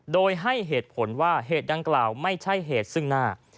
โดยให้เหตุผลว่าเหตุดังกล่าวไม่ใช่เหตุซึ่งหน้า